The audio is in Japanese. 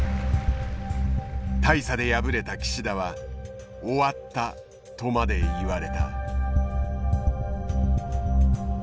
大差で敗れた岸田は終わったとまで言われた。